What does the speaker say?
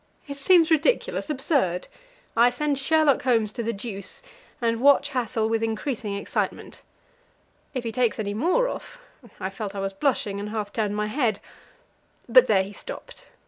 It seems ridiculous absurd. I send Sherlock Holmes to the deuce, and watch Hassel with increasing excitement; if he takes any more off I felt I was blushing, and half turned my head, but there he stopped.